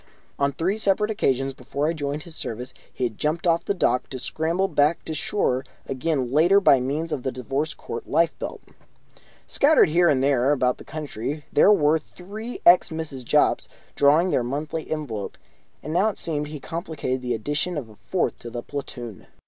On three separate occasions before I joined his service he had jumped off the dock, to scramble back to shore again later by means of the Divorce Court lifebelt. Scattered here and there about the country there were three ex Mrs. Jopps, drawing their monthly envelope, and now, it seemed, he contemplated the addition of a fourth to the platoon.